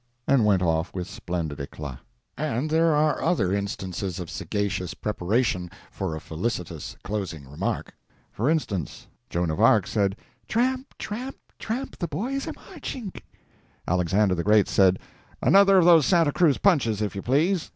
and went off with splendid eclat. And there are other instances of sagacious preparation for a felicitous closing remark. For instance: Joan of Arc said, "Tramp, tramp, tramp the boys are marching." Alexander the Great said, "Another of those Santa Cruz punches, if you please."